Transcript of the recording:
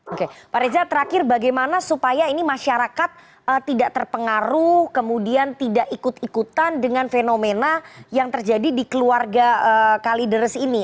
oke pak reza terakhir bagaimana supaya ini masyarakat tidak terpengaruh kemudian tidak ikut ikutan dengan fenomena yang terjadi di keluarga kalideres ini